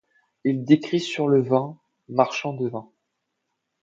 Il écrit sur le vin, marchand de vin...